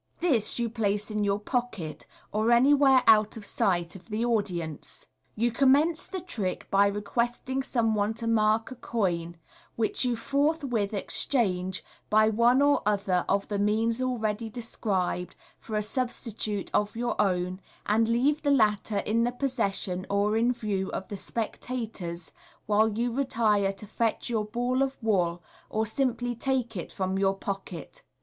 This you place in your pocket, or anywhere out of sight of the audience. You commence the trick by requesting some one to mark a coin, which you forthwith exchange, by one or other of the means already described, for a substitute of your own, and leave the latter in the possession or in view of the spectators, while you retire to fetch your ball of wool, or simply take it from your pocket.